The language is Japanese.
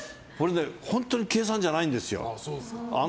本当に計算じゃないんですよ。